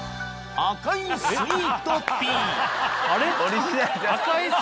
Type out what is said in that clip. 『赤いスイートピー』？